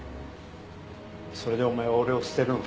それでお前は俺を捨てるのか。